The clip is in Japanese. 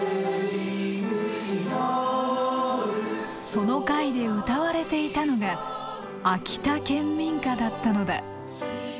その会で歌われていたのが秋田県民歌だったのだ。